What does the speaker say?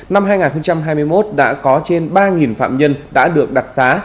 năm hai nghìn hai mươi một đã có trên ba phạm nhân đã được đặc xá